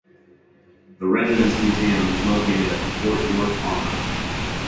The regiment's museum is located at the Fort York Armoury.